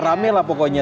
rame lah pokoknya